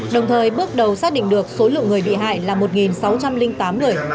đồng thời bước đầu xác định được số lượng người bị hại là một sáu trăm linh tám người